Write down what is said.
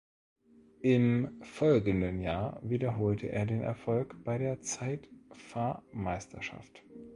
Im folgenden Jahr wiederholte er den Erfolg bei der Zeitfahrmeisterschaft.